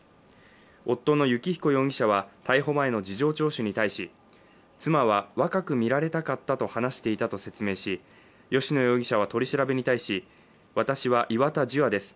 夫の幸彦容疑者は、逮捕前の事情聴取に対し妻は若く見られたかったと話していたと説明し吉野容疑者は取り調べに対し、私は岩田樹亜です